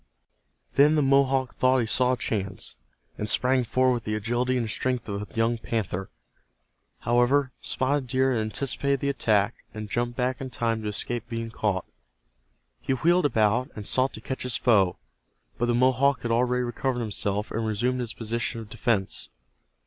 Then the Mohawk thought he saw a chance, and sprang forward with the agility and strength of a young panther. However, Spotted Deer had anticipated the attack, and jumped back in time to escape being caught. He wheeled about, and sought to catch his foe, but the Mohawk had already recovered himself and resumed his position of defense.